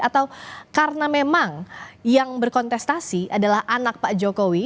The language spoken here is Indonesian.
atau karena memang yang berkontestasi adalah anak pak jokowi